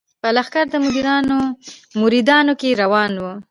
په لښکر د مریدانو کي روان وو